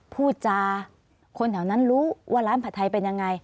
พูดจาคนแถวนั้นรู้ว่าร้านผัดไทยเป็นยังไง